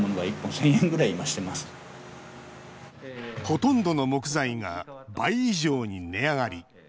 ほとんどの木材が倍以上に値上がり。